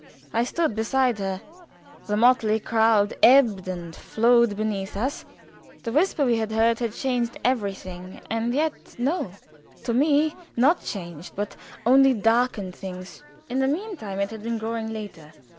I stood beside her; the motley crowd ebbed and flowed beneath us, but the whisper we had heard had changed everything; and yet, no to me not changed, but only darkened things. In the meantime it had been growing later.